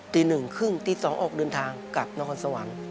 ตีหนึ่งคึ่งตีสองออกเดินทางกลับน้องศาวน